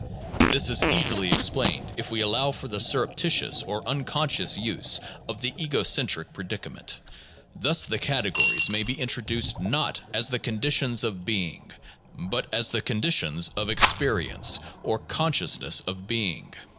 This is easily explained if we allow for the surreptitious or unconscious use of the ego centric pre dicament. Thus, the categories may be introduced not as the condi tions of being, but as the conditions of "experience," or conscious ness of being.